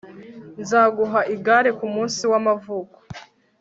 nzaguha igare kumunsi wamavuko